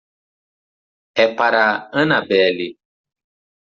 É para a Annabelle.